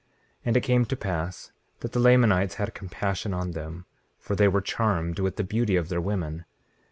19:14 And it came to pass that the Lamanites had compassion on them, for they were charmed with the beauty of their women.